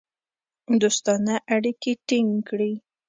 دوستانه اړیکې ټینګ کړې.